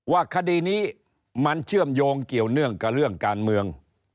ว่าคดีนี้มันเชื่อมโยงเกี่ยวเนื่องกับเรื่องการเมือง